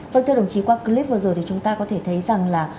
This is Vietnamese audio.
vâng thưa đồng chí qua clip vừa rồi thì chúng ta có thể thấy rằng là